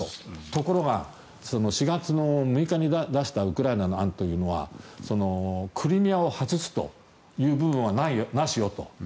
ところが４月６日に出したウクライナの案というのはクリミアを外すという部分はなしよ、と。